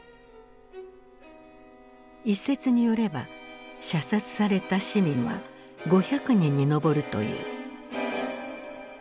一説によれば射殺された市民は５００人に上るという。